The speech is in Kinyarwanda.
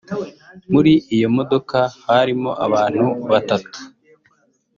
muri iyo modoka harimo abantu batatu